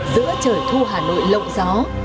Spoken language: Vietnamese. giữa trời thu hà nội lộng gió